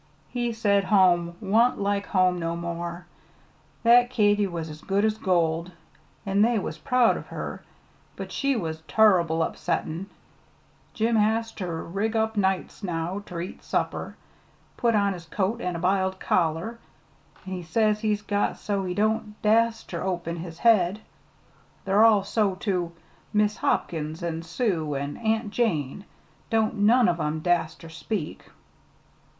"He said home wan't like home no more. That Katy was as good as gold, an' they was proud of her; but she was turrible upsettin'. Jim has ter rig up nights now ter eat supper put on his coat an' a b'iled collar; an' he says he's got so he don't dast ter open his head. They're all so, too Mis' Hopkins, an' Sue, an' Aunt Jane don't none of 'em dast ter speak."